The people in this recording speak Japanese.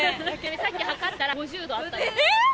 さっき測ったら、５０度あった。